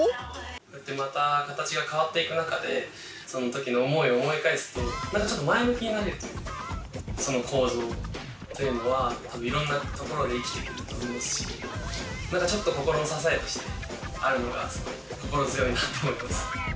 こうやってまた形が変わっていく中でその時の思いを思い返すと何かちょっと前向きになれるというかその構造っていうのは多分いろんなところで生きてくると思うし何かちょっと心の支えとしてあるのがすごい心強いなと思います。